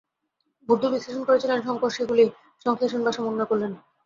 বুদ্ধ বিশ্লেষণ করেছিলেন, শঙ্কর সেইগুলি সংশ্লেষণ বা সমন্বয় করলেন।